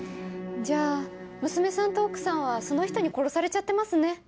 じゃあ娘さんと奥さんはその人に殺されちゃってますね。